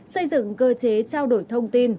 xây dựng cơ chế trao đổi thông tin